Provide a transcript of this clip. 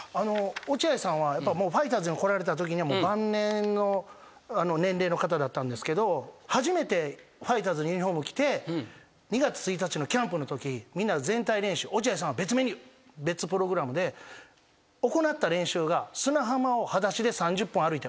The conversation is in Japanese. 落合さんはファイターズに来られたときには晩年の年齢の方だったんですけど初めてファイターズのユニホームを着て２月１日のキャンプのときみんなは全体練習落合さんは別メニュー別プログラムで行った練習が。